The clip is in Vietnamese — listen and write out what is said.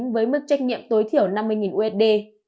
với mức trách nhiệm tối thiểu năm mươi usd